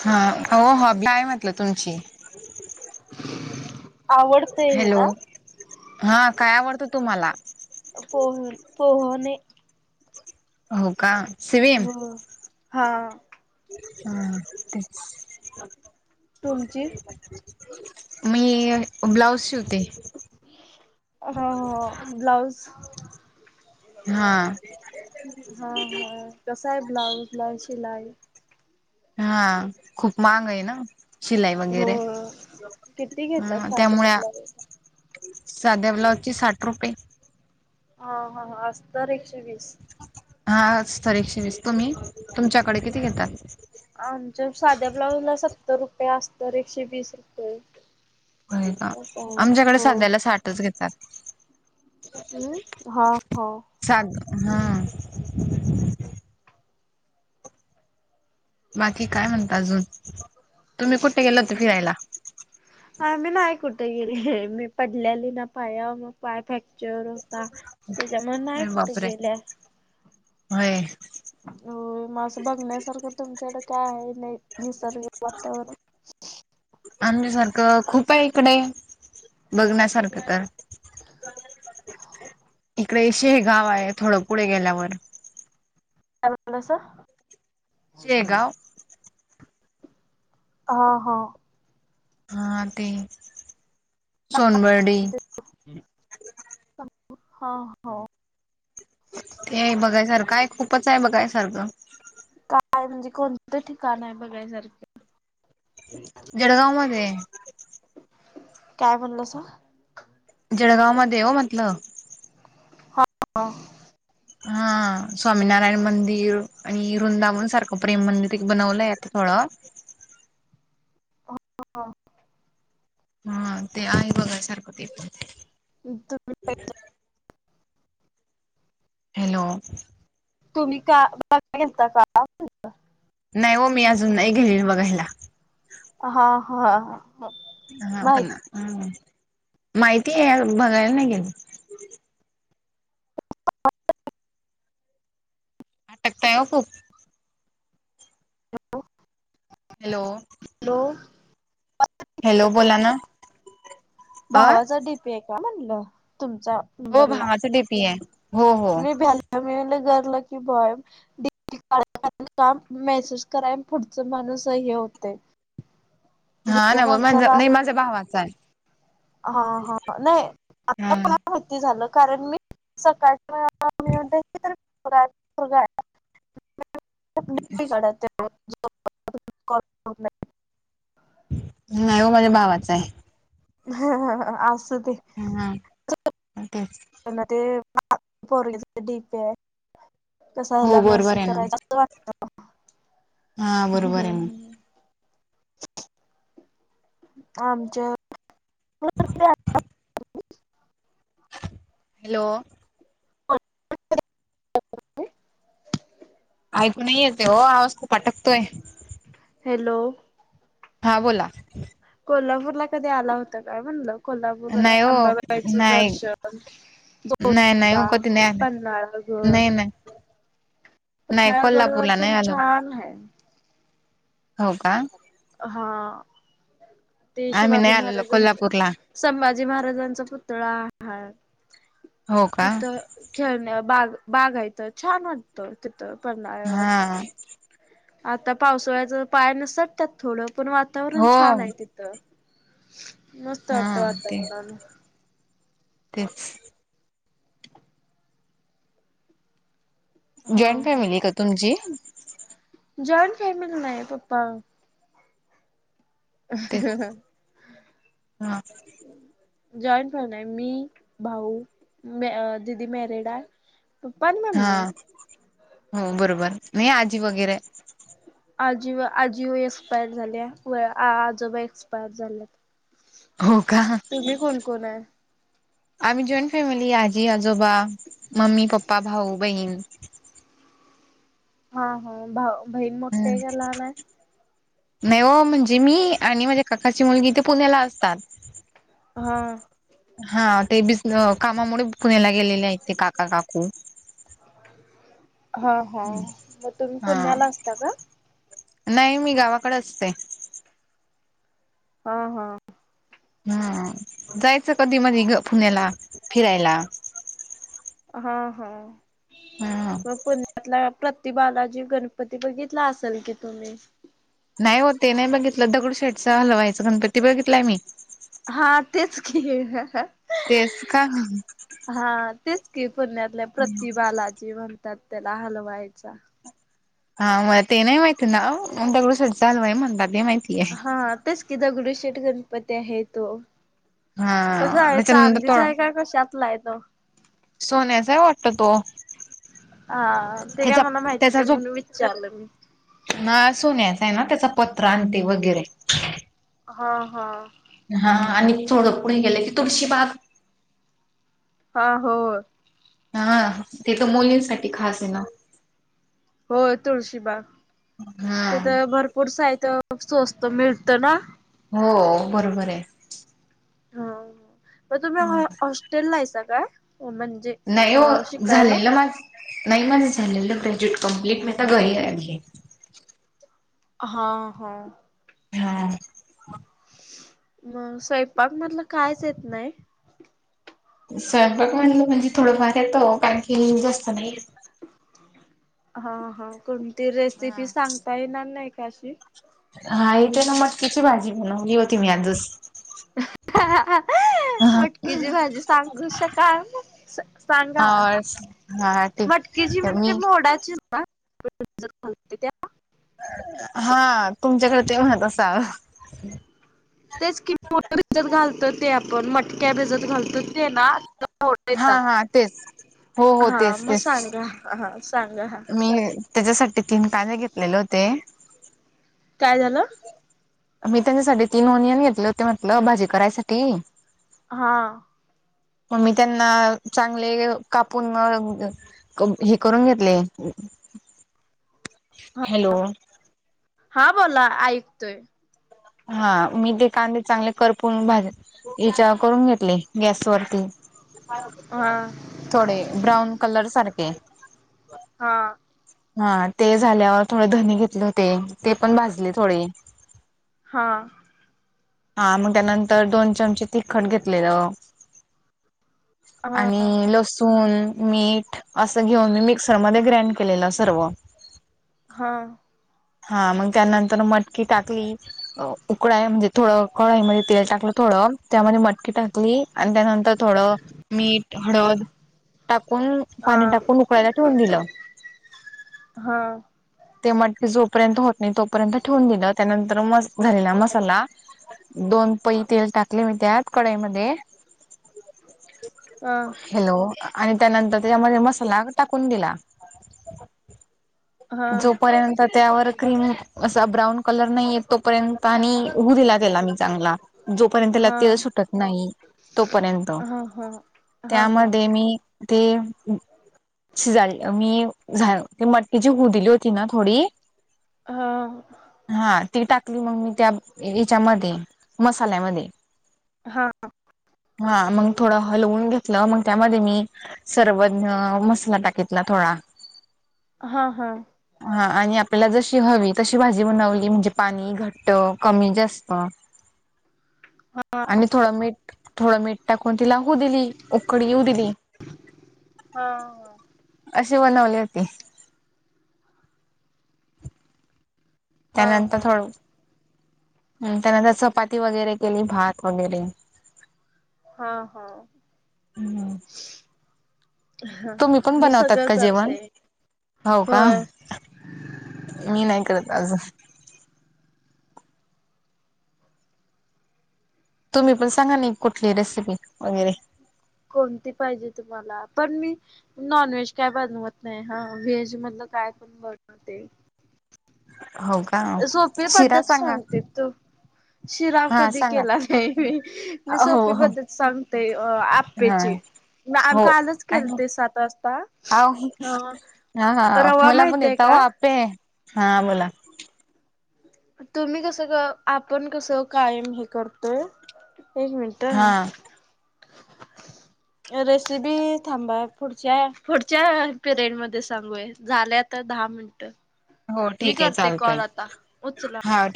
हा हो हॉबी काय म्हटलं तुमची. आवडते हे हॅलो ना हा काय आवडतं तुम्हाला फोन हो हो नाही. हो का स्विमिंग हो हा हा तेच तुमची [unintelligible] मी ब्लाऊज शिवते. हा हा ब्लाउज हा हा हा कसा आहे ब्लाउज ला शिलाई हा खूप महाग आहे ना शिलाई हो वगैरे किती घेतात ह साध्या त्यामुळे ब्लाउज साध्या ब्लाउज ची‌ साठ रुपये हा हा अस्तर एकशे वीस हा अस्तर एकशेवीस तुम्ही तुमच्याकडे किती घेतात. आमच्या साध्या ब्लाऊज ला सत्तर रुपये अस्तर एकशे वीस रुपये. असं आहे आमच्याकडे हो सध्याला साठच घेतात. हम्म हा हा साठ हा बाकी काय म्हणता अजून तुम्ही कुठे गेला होता फिरायला. आम्ही नाही कुठ गेले मी पडल्याली ना पायावर पाय फॅक्चर होता त्याच्यामुळे नाही अरे कुठे बापरे गेले. होय. हो मग बघण्यासारखं तुमच्याकडे काय आहे नाही. निसर्ग वातावरण? बघण्यासारख खूप आहे इकडे बघण्यासारख का? इकडे‌‌ शेगावं हे गाव आहे थोडं पुढे गेल्यावर काय म्हटलं सा शेगांव हा हा हा ते सोनबर्डी हो हो ते बघायसारखं आहे खूपच आहे बघायसारखं काय म्हणजे कोणतं ठिकाण आहे बघायचं सारखं. जळगांव मध्ये. काय बोलास तु जळगांव मध्ये हो म्हटलं. काय. हा स्वामीनारायण मंदिर आणि वृंदा म्हणून सारखं प्रेम मंदिर बनवलं येत थोडं. हा [inaudible] हा ते आहे बघा सारखं ते पण, हम्म हॅलो! तुम्ही का बघायला गेलता का म्हनलं. नाही हो मी अजून नाही गेले बघायला हा हा हा पण माहिती ना माहिती आहे बघायला नाही गेले. शकताय खूप [inaudible] हॅलो! हॅलो हॅलो बोला ना तु अ भावासाठी [inaudible] म्ह तुमचा हो बरला भावाचा डीपी आहे हो हो मी [inaudible] गरला की बाॉय [inaudible] काम मेसेज कराय पुढचे माणूस हे होतं. हा ना माझं नाही माझ्या भावाच चालय. हा हा नाही आता प खालती झालं. सकाळच्या मिगा [inaudible] [inaudible] नाही हो माझ्या भावाचा आहे. ह ह असुदे ते हम्म ते ते परोगीच डीपे [inaudible] तसा हो आला बरोबर मेसेज आहे ना करायचा अस वाटत [inaudible] हा बरोबर आहे. आमच्या. त [inaudible] हॅलो! [inaudible] ऐकू नाहीय येते हो आवाज खूप अटकतोय. हॅलो! हां बोला. कोल्हापूरला कधी आला होता काय म्हणलं कोल्हापूर नाही हो अंबाबाईचं नाही दर्शन. नाही नाही हो जोतिबा, कधी नाही आलं पन्नाळागड, नाही नाही नाही पन्हाळा गडवर पण कोल्हापूरला नाही खुप आलो छान हाय. हो का हा ते आम्ही शिवाजी नाही आलेलो महाराजांचं कोल्हापूरला संभाजी महाराजांचा पुतळा आहे हो का तिथं. खेळणे बाग बागहायथ छान वाटत तिथं पन्हाळ्यावर. हा आता पावसाळ्याचा पाय नीसटत्यात थोडं पण वातावरण हो छान आहे‌. तर मस्त हा वाटत ते वातावरण तेच हा जॉईंट हा फॅमिली का तुमची? जॉईंट फॅमिली नाही पप्पा ह [unintelligible] ते हा जॉईट फॅमिली मी भाऊ मॅ दीदी मॅरिडाम हा हो बरोबर नाही आजी वगैरे आजीव आजीव एक्सपायर झाल्या व आजोबा एक्सपायर झाल्यात. हो का तुम्ही कोण कोण आहेत. आम्ही जॉईंट फॅमिली आजी आजोबा, मम्मी पप्पा, भाऊ बहीण. हा हा भाऊ बहीण मोठे का लहान आहे? नाही हो, म्हणजे मी आणि माझ्या काकाची मुलगी ते पुण्याला असतात. हा. हा ते बिसन कामामुळेच पुण्याला गेलेले आहेत ते काका काकू हा हा मग तुम्ही हा पुण्याला असता का? नाही मी गावाकडे असते. हा हा [unintelligible] हा जायचं कधी मधी ग पुण्याला फिरायला. हा हा ह मग पु [inaudible] त्यातला प्रति बालाजी गणपती बघितला असेल की तुम्ही. नाही हो ते नाही बघितलं दगडुशेठचा हलवायचं गणपती बघितलाय मी. हा तेच की तेच का हा तेच की पुण्यातल्या प्रति बालाजी म्हणतात त्याला हलवायचा. हा व्हय ते नाही माहिती नाव दगडुशेठ चांगला आहे म्हणतात ते माहितीय. हा तेच कि दगुडूशेठ गणपती आहे तो हा तस आहे त्याच्यानंतर चांदीचा तो आहे का कशातला आहे तो? सोन्याचा वाटतो तो हा ते काय त्याचा मला माहिती नाही म्हणून विचारलं मी हा सोन्याचा आहे ना त्याचा पत्रा अन ते वगैरे हा हा हा हा आणि थोडं पुढे गेलं की तुळशी बाग हा हो हा ते तर मुलींसाठी खास आहे ना. होय तुळशीबाग हा तिथ भरपूर साहित्य स्वस्त मिळत ना. हो बरोबर आहे. प तुम्ही हॉ हॉस्टेलला आहेस काय म्हणजे नाही हो, अ शिकायला? झालेलं माझ नाही माझं झालेलं ग्रॅज्युएट कंप्लीट मी आता घरी आहे आणखीन हा हो हा मग स्वयंपाक मधलं कायच येत नाही. स्वयंपाक म्हणलं म्हणजे थोडंफार येतं कारण की जास्त नाही येत. हा हा कोणती रेसिपी हा सांगता येणार नाही का अशी हा येते ना मटकीची भाजी बनवली होती मी आजच [unintelligible] मटकीची भाजी सांगू शकाल सांगा. हा हा मटकेची ठीक म्हणजे मी मोडाचीच ना? हा तुमच्याकडे ते म्हणत असाल. तेच कि मोठ भिजत घालतो ते आपण मटक्या भिजत घालतो ते ना. त्याला मोड हा येतात हा तेच हो हो हा तेच मग तेच सांगा हा सांगा. मी त्याच्यासाठी तीन कादे घेतलेले होते. काय झालं! मी त्यांच्यासाठी तीन ओनियन घेतले होते म्हंटलं भाजी करायसाठी. हा. मग मी त्यांना चांगले कापून हे करून घेतले हॅलो! हा बोला ऐकतोय. हा मी ते कांदे चांगले करपून भाज तिच्यावर करून घेतले गॅस वरती. हा. थोडे ब्राऊन कलर सारखे. हा. हा ते झाल्यावर थोडे धनी घेतले होते ते पण भाजले थोडे. हा. हा मग त्यानंतर दोन चमचे तिखट घेतलेलं हा आणि लसूण मीठ असं घेऊन मी मिक्सरमध्ये ग्रांड केलेलं सर्व. हा. हा म त्यानंतर मटकी टाकली. उकडाय म्हणजे थोडं कळाई मध्ये तेल टाकलं थोडं त्यामध्ये मटकी टाकली. आणि त्यानंतर थोडं मीठ, हळद टाकून पाणी हा टाकून उकळाला ठेवून दिलं. हा हा ते मटकी जोपर्यंत होत नाही तोपर्यंत ठेवून दिलं त्यानंतर मग झालेला मसाला. दोन पई तेल टाकले मी त्यात कढाईमध्ये. अं. हॅलो! आणि त्यानंतर त्याच्यामध्ये मसाला टाकून दिला. हा हा जोपर्यंत त्यावर क्रीम असा ब्राऊन कलर नाही येत. तोपर्यंत आणि होऊ दिला तेला मी चांगला. जोपर्यंत त्याला तेल हा सुटत नाही तोपर्यंत. हा त्यामध्ये मी थेंब शिजाल मी झा मटची हु दिली होती ना थोडी हां. हा ती टाकली मग मी त्या याच्यामध्ये मसाल्यामध्ये. हा ह. हा मग थोडं हलवून घेतलं मग त्यामध्ये मी सरवरण मसाला टाकीतला थोडा. हा हा. हा आणि आता आपल्याला जशी हवी तशी भाजी बनवली म्हणजे पाणी घट्ट कमी जास्त [unintelligible] आणि थोडं मीठ थोडं मीठ टाकून तिला हू दिली. उकड येऊ दिली हा अशी बनवली होती. त्यानंतर हा थोड त्यानंतर चपाती वगैरे केली भात वैगेरे हा हा तुम्ही पण मी बनवतात सगळं का जेवण, करते हो का? होय मी नाही करत अजून तुम्ही पण सांगा ना एक कुठली रेसिपी वगैरे कोणती पाहिजे तुम्हाला? पण मी नॉन व्हेज काय बनवत नाय हा व्हेज मधलं काय पण बनवते. हो का? शिरा सांगा. येतो शिरा हा कधी सांगा केला नाही मी मी हो सोपी हो पद्धत सांगते हा आप्पेची आन हो कालच आणि केलते सात वाजता अहो अ रवा माहितिये का? पे हा बोला तुम्ही कस गं आपण कसं कायम हे करतोय एक मिनि टं हा रेसिपी थांबा पुढच्या, पुढच्या पिरियड मध्ये सांगूया झाले आता दहा मिनिटं हो मी ठीक आहे करते चालतय. कॉल आता उचला हा